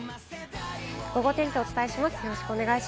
ゴゴ天気をお伝えします。